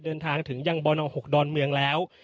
เดินทางถึงยังบน๖ดอนเมืองแล้ว